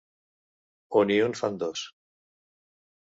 Un i un fan dos.